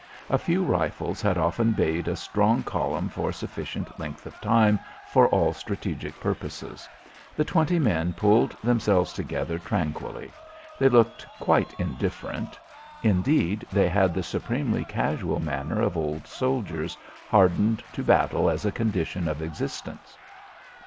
A few rifles had often bayed a strong column for sufficient length of time for all strategic purposes. The twenty men pulled themselves together tranquilly. They looked quite indifferent. Indeed, they had the supremely casual manner of old soldiers, hardened to battle as a condition of existence.